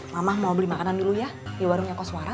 mama mau beli makanan dulu ya di warungnya koswara